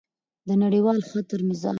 د نړیوال خطر مزاج: